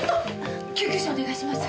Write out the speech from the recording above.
救急車お願いします。